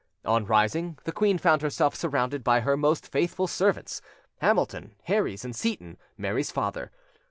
On rising, the queen found herself surrounded by her most faithful servants—Hamilton, Herries, and Seyton, Mary's father.